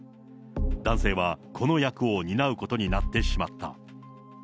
男性はこの役を担うことになってしまった。